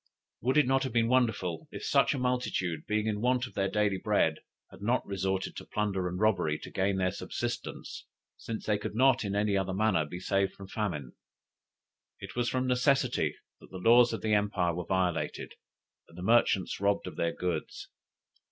Would it not have been wonderful if such a multitude, being in want of their daily bread, had not resorted to plunder and robbery to gain their subsistence, since they could not in any other manner be saved from famine? It was from necessity that the laws of the empire were violated, and the merchants robbed of their goods.